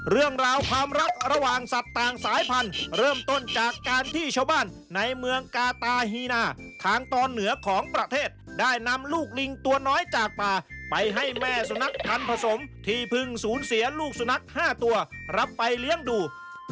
เรื่องราวความรักระหว่างสัตว์ต่างสายพันธุ์เริ่มต้นจากการที่ชาวบ้านในเมืองกาตาฮีนาทางตอนเหนือของประเทศได้นำลูกลิงตัวน้อยจากป่าไปให้แม่สุนัขพันธสมที่เพิ่งสูญเสียลูกสุนัข๕ตัวรับไปเลี้ยงดู